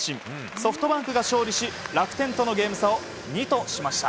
ソフトバンクが勝利し楽天とのゲーム差を２としました。